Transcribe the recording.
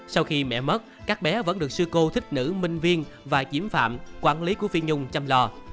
sau khi mẹ mất các bé vẫn được sư cô thích nữ minh viên và chiếm phạm quản lý của phi nhung chăm lo